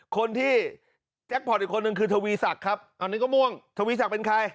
คนที่แจ็คพอร์ตอีกคนนึงคือทวีศักดิ์ครับอันนี้ก็ม่วงทวีศักดิ์เป็นใคร